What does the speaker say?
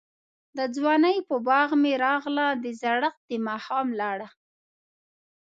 دځوانۍپه باغ می راغله، دزړښت دماښام لړه